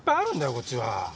こっちは。